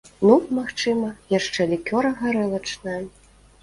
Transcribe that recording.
Ну, магчыма, яшчэ лікёра-гарэлачная.